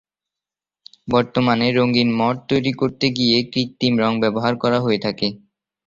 বর্তমানে রঙিন মঠ তৈরি করতে গিয়ে কৃত্রিম রং ব্যবহার করা হয়ে থাকে।